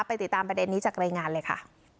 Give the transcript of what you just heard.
ติดตามประเด็นนี้จากรายงานเลยค่ะ